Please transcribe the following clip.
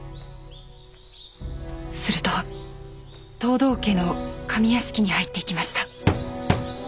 すると藤堂家の上屋敷に入っていきました。